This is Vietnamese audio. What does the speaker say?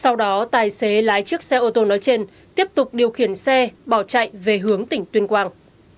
sau đó tài xế lái chiếc xe ô tô nói trên tiếp tục điều khiển xe bỏ chạy về hướng tỉnh tuyên quang